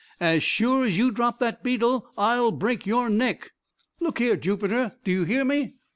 As sure as you drop that beetle I'll break your neck. Look here, Jupiter, do you hear me?"